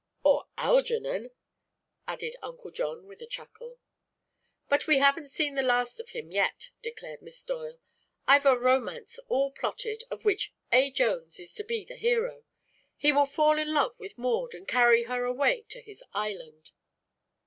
"Or Algernon," added Uncle John with a chuckle. "But we haven't seen the last of him yet," declared Miss Doyle. "I've a romance all plotted, of which A. Jones is to be the hero. He will fall in love with Maud and carry her away to his island!"